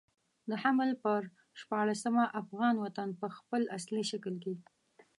د حمل پر شپاړلسمه افغان وطن په خپل اصلي شکل کې.